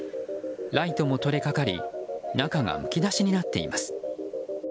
ライトも取れかかり中がむき出しになっています。